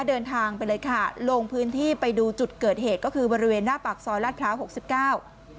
เดินทางไปเลยค่ะลงพื้นที่ไปดูจุดเกิดเหตุก็คือบริเวณหน้าปากซอยลาดพร้าวหกสิบเก้า